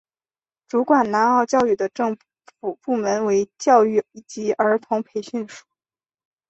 主管南澳教育的政府部门为教育及儿童培育署。